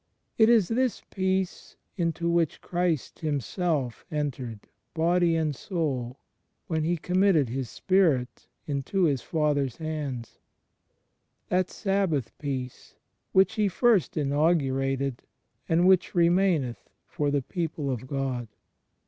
It is this Peace into which Christ Himself entered, body and soul, ^ Col. iii : 3. 154 'l^HE FRIENDSHIP OF CHRIST when He committed His Spirit into His Father's hands — that Sabbath Peace which He first inaugurated, and which "remaineth ... for the people of God."